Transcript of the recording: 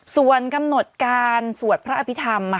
ส่วนกำหนดการสวดพระอภิษฐรรม